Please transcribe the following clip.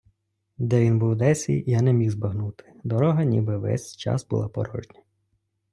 Де він був десі, я не міг збагнути: дорога ніби весь час була порожня.